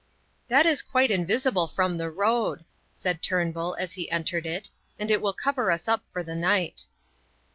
"That is quite invisible from the road," said Turnbull, as he entered it, "and it will cover us up for the night."